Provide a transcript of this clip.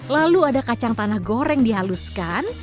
lalu ada kacang tanah goreng dihaluskan